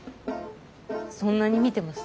そんなに見てます？